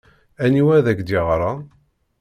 Aniwa ay ak-d-yeɣran?